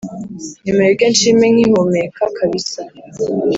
nimureke nshime nkihumeka kabisa